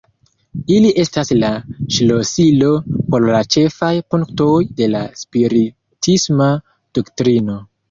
Ili estas la "ŝlosilo" por la ĉefaj punktoj de la spiritisma doktrino.